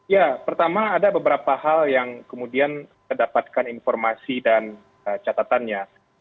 ya pertama ada beberapa hal yang kemudian mendapatkan informasi dan catatannya